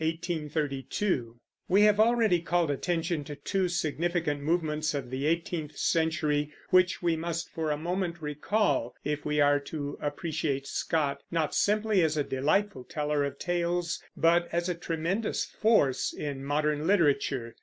WALTER SCOTT (1771 1832) We have already called attention to two significant movements of the eighteenth century, which we must for a moment recall if we are to appreciate Scott, not simply as a delightful teller of tales, but as a tremendous force in modern literature.